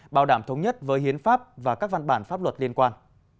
bảo đảm thống nhất với hiến pháp và các văn bản pháp luật liên quan